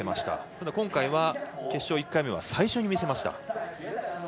ただ今回決勝１回目、最初に見せました。